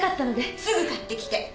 すぐ買ってきて。